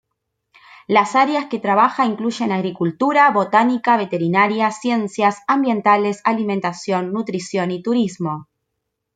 Las áreas que trabaja incluyen agricultura, botánica, veterinaria, ciencias ambientales, alimentación, nutrición y turismo.